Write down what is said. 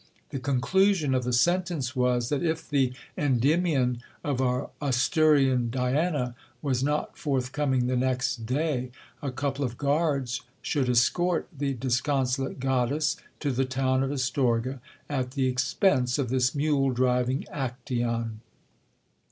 The conclusion of the sentence was, that if the Endymion of our Asturian Diana was not forthcoming the next day, a couple of guards should escort the disconsolate goddess to the town of Astorga, at the expense of this mule driving Acteon.